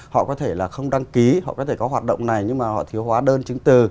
họ có thể là không đăng ký họ có thể có hoạt động này nhưng mà họ thiếu hóa đơn chứng từ